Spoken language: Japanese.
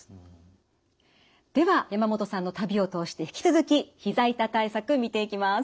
では山本さんの旅を通して引き続きひざ痛対策見ていきます。